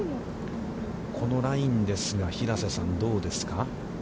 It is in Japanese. このラインですが、平瀬さん、どうですか。